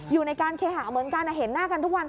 อยู่ในการเคหาเหมือนกันเห็นหน้ากันทุกวัน